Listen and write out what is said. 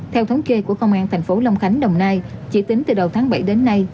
theo thống kê của công an thành phố long khánh đồng nai chỉ tính từ đầu tháng bảy đến nay